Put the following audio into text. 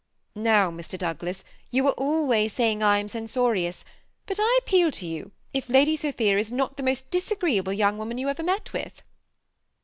Now, Mr. Douglas, you are always say ing I am censorious, but I appeal to you if Lady Sophia is not the most disagreeable young woman you ever met with